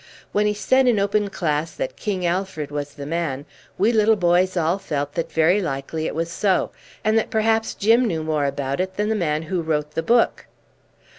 When he said in open class that King Alfred was the man, we little boys all felt that very likely it was so, and that perhaps Jim knew more about it than the man who wrote the book.